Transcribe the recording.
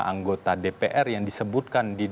anggota dpr yang disebutkan